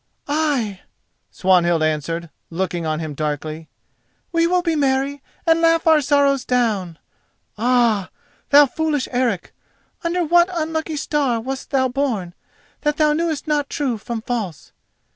"Ay," Swanhild answered, looking on him darkly, "we will be merry and laugh our sorrows down. Ah! thou foolish Eric, under what unlucky star wast thou born that thou knewest not true from false?"